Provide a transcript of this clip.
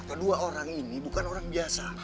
kedua orang ini bukan orang biasa